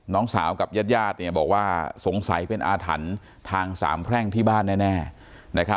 น้องสาวกับญาติบอกว่าสงสัยเป็นอาถรรพ์ทางสามแพร่งที่บ้านแน่